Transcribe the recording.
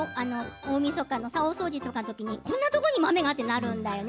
大みそかの大掃除の時にこんなところにも豆がってなるんだよね。